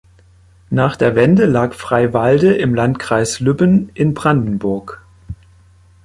Nach der Wende lag Freiwalde im Landkreis Lübben in Brandenburg.